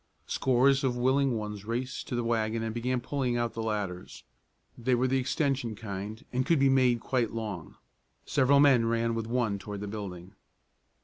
Scores of willing ones raced to the wagon and began pulling out the ladders. They were the extension kind, and could be made quite long. Several men ran with one toward the building.